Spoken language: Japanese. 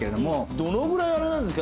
どのぐらいあれなんですか？